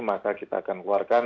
maka kita akan keluarkan